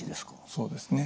そうですね。